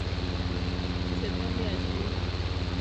Shetani ashindwe